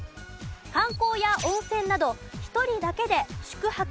観光や温泉など１人だけで宿泊